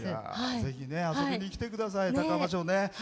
ぜひ遊びに来てください高浜町ね。